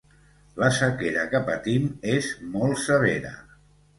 La sequera que patim és molt severa.